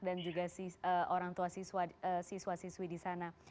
dan juga orang tua siswa siswi di sana